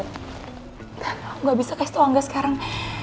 aku enggak bisa kasih tau angga sekarang